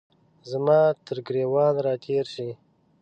زما ترګریوان را تیر شي